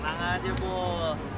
langgan aja bos